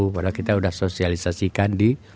padahal kita sudah sosialisasikan di